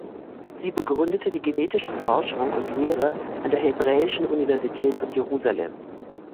Sie begründete die genetische Forschung und Lehre an der Hebräischen Universität von Jerusalem.